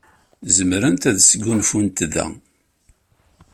Zemrent ad sgunfunt da.